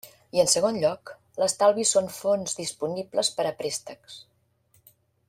I en segon lloc, l'estalvi són fons disponibles per a préstecs.